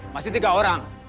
masih tiga orang